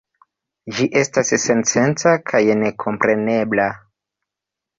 Ĝi estas sensenca kaj nekomprenebla.